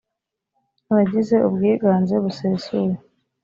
abagize ubwiganze busesuye.